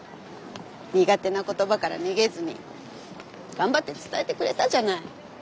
苦手な言葉から逃げずに頑張って伝えてくれたじゃない。